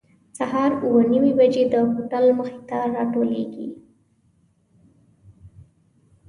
سهار اوه نیمې بجې د هوټل مخې ته راټولېږو.